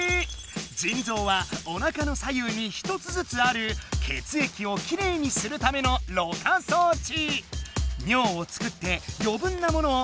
じん臓はおなかの左右に１つずつあるけつえきをきれいにするためのろ過装置。